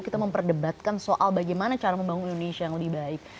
kita memperdebatkan soal bagaimana cara membangun indonesia yang lebih baik